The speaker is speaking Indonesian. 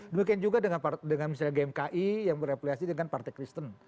demikian juga dengan misalnya gmki yang berepliasi dengan partai kristen